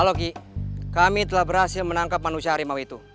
tidak ki kami telah berhasil menangkap manusia harimau itu